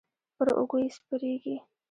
پر اوږو یې سپرېږي.